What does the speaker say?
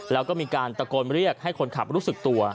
แล้วก็มีการตะโกนเรียกให้คนขับรู้สึกตัว